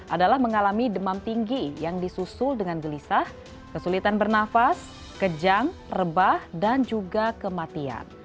adalah mengalami demam tinggi yang disusul dengan gelisah kesulitan bernafas kejang rebah dan juga kematian